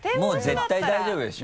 絶対大丈夫でしょ。